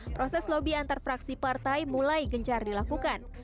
proses lobby antar fraksi partai mulai gencar dilakukan